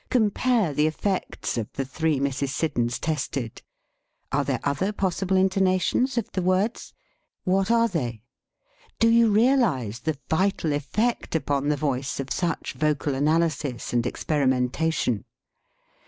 Compare the effects of the three Mrs. Siddons tested. Are there other pos sible intonations of the words? What are they? Do you realize the vital effect upon the voice of such vocal analysis and ex perimentation